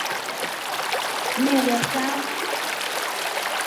Umelya chao?